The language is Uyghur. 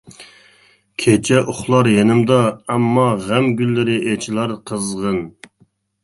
كېچە ئۇخلار يېنىمدا، ئەمما غەم گۈللىرى ئېچىلار قىزغىن.